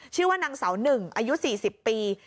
ชื่อว่านางสาวหนึ่งอายุ๔๐ปี